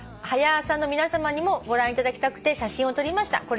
「『はや朝』の皆さまにもご覧いただきたくて写真を撮りました。